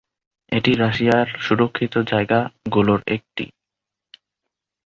এটি রাশিয়ার সুরক্ষিত জায়গা গুলোর একটি।